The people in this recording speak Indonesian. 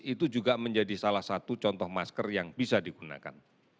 itu juga menjadi salah satu contoh masker yang bisa digunakan